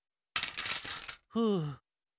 ふう。